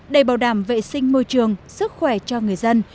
để bảo đảm vệ sinh môi trường sức khỏe cho người dân